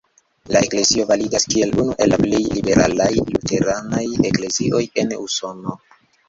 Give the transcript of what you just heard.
La eklezio validas kiel unu el la plej liberalaj luteranaj eklezioj en Usono.